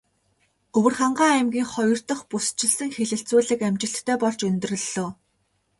Өвөрхангай аймгийн хоёр дахь бүсчилсэн хэлэлцүүлэг амжилттай болж өндөрлөлөө.